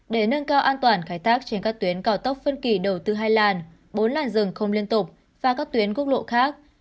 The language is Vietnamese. để nâng cao an toàn khai thác trên các tuyến cao tốc phân kỳ đầu tư hai làn bốn làn rừng không liên tục và các tuyến quốc lộ khác